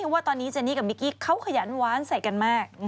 ว่าตอนนี้เจนี่กับมิกกี้เขาขยันหวานใส่กันมาก